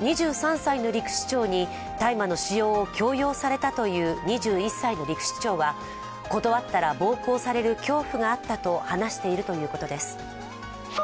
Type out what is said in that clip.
２３歳の陸士長に大麻の使用を強要されたという２１歳の陸士長は断ったら暴行される恐怖があったと話しているということです。